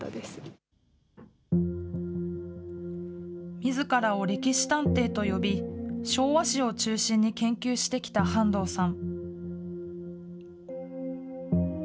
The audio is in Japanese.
みずからを歴史探偵と呼び、昭和史を中心に研究してきた半藤さん。